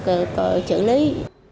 được chủ lý